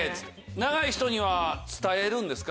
長い人には伝えるんですか？